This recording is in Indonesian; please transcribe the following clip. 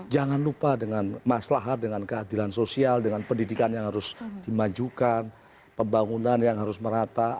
jangan lupa dengan maslahat dengan keadilan sosial dengan pendidikan yang harus dimajukan pembangunan yang harus merata